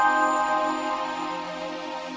inilah kebenaran bro